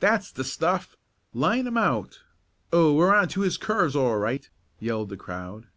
"That's the stuff!" "Line 'em out!" "Oh, we're on to his curves all right!" yelled the crowd.